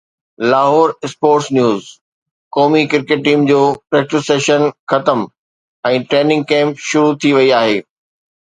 لاهور (اسپورٽس نيوز) قومي ڪرڪيٽ ٽيم جو پريڪٽس سيشن ختم ۽ ٽريننگ ڪيمپ شروع ٿي وئي آهي